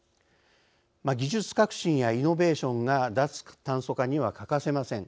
技術革新やイノベーションが脱炭素化には欠かせません。